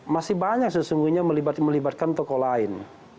masih banyak sesungguhnya melibatkan tokoh lain